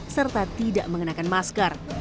serta tidak mengenakan masker